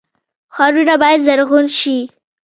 ښارونه باید زرغون شي